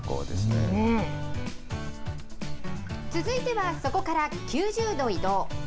続いては、そこから９０度移動。